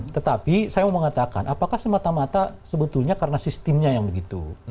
tetapi saya mau mengatakan apakah semata mata sebetulnya karena sistemnya yang begitu